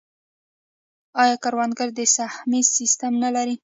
آیا کروندګر د سهمیې سیستم نلري؟